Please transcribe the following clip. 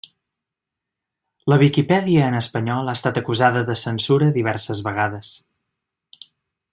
La Viquipèdia en espanyol ha estat acusada de censura diverses vegades.